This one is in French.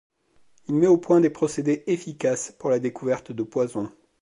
Il met au point des procédés efficaces pour la découverte de poisons.